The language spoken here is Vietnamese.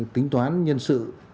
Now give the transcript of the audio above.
tính toán nhân sự